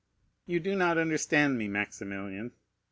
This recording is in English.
"You do not understand me, Maximilian.